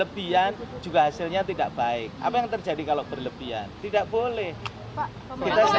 dia sudah terinfeksi sebelum masuk ke indonesia